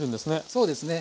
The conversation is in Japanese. そうですね。